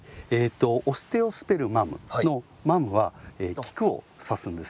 オステオスペルマムの「マム」は菊を指すんですけど。